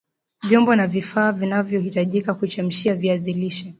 Vyombo na vifaa vinavyahitajika kuchemshia viazi lishe